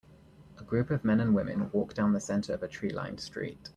A group of men and women walk down the center of a treelined street.